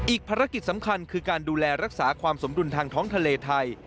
ภารกิจสำคัญคือการดูแลรักษาความสมดุลทางท้องทะเลไทย